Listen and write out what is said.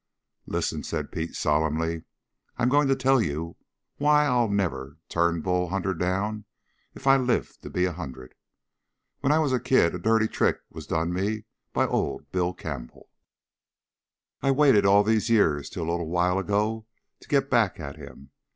"Listen," said Pete solemnly. "I'm going to tell you why I'll never turn Bull Hunter down if I live to be a hundred! When I was a kid a dirty trick was done me by old Bill Campbell. I waited all these years till a little while ago to get back at him.